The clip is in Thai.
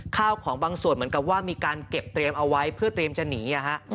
ข้าวของบางส่วนเหมือนกับว่ามีการเก็บเตรียมเอาไว้เพื่อเตรียมจะหนี